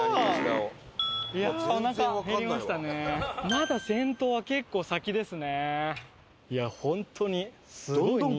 まだ先頭は結構先ですね。